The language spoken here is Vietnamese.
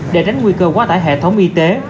để tránh nguy cơ quá tải hệ thống y tế